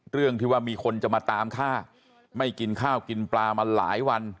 เรื่องที่ว่ามีคนจะมาตามฆ่าไม่กินข้าวกินปลามาหลายวัน